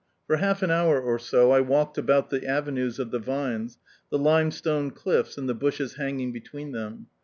For half an hour or so I walked about the avenues of the vines, the limestone cliffs and the bushes hanging between them.